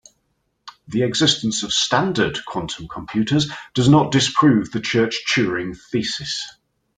The existence of "standard" quantum computers does not disprove the Church-Turing thesis.